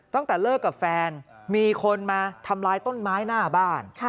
ตั้งแต่เลิกกับแฟนมีคนมาทำลายต้นไม้หน้าบ้าน